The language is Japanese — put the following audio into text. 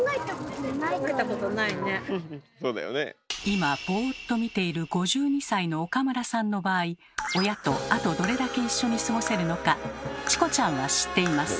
今ボーっと見ている５２歳の岡村さんの場合親とあとどれだけ一緒に過ごせるのかチコちゃんは知っています。